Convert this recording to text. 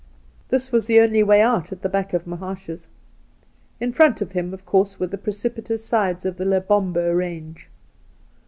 This was the only way out at the back of Mahaash's. In front of him, of course, were the precipitous sides of the Lebombo Eange.